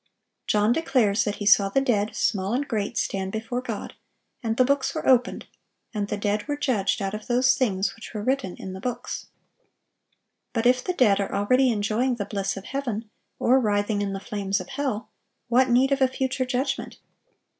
(973) John declares that he "saw the dead, small and great, stand before God; and the books were opened; ... and the dead were judged out of those things which were written in the books."(974) But if the dead are already enjoying the bliss of heaven or writhing in the flames of hell, what need of a future judgment?